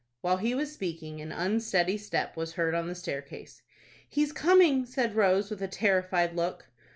While he was speaking, an unsteady step was heard on the staircase. "He's coming!" said Rose, with a terrified look.